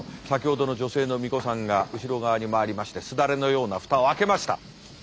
先ほどの女性の巫女さんが後ろ側に回りましてすだれのような蓋を開けました。